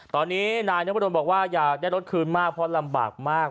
ตอนนี้นายนพดลบอกว่าอยากได้รถคืนมากเพราะลำบากมาก